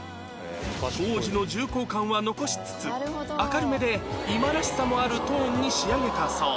当時の重厚感は残しつつ明るめで今らしさもあるトーンに仕上げたそう